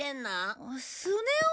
スネ夫。